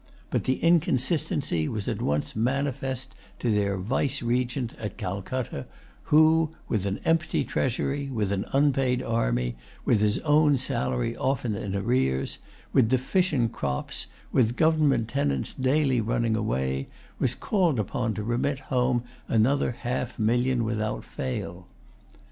But the inconsistency was at once manifest to their vicegerent at Calcutta, who, with an empty treasury, with an unpaid army, with his own salary often in arrear, with deficient crops, with government tenants daily running away, was called upon to remit home another half million without fail.